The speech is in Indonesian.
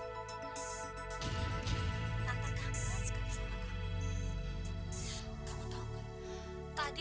jadi kamu jangan pernah bikin ulah lagi